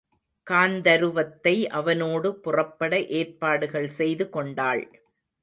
காந்தருவதத்தை அவனோடு புறப்பட ஏற்பாடுகள் செய்து கொண்டாள்.